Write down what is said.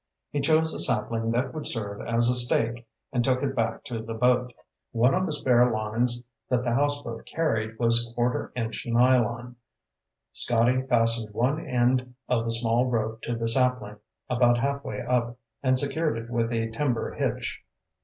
He chose a sapling that would serve as a stake and took it back to the boat. One of the spare lines that the houseboat carried was quarter inch nylon. Scotty fastened one end of the small rope to the sapling, about halfway up, and secured it with a timber hitch.